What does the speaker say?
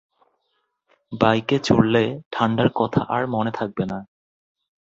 বাইকে চড়লে ঠাণ্ডার কথা আর মনে থাকবে না!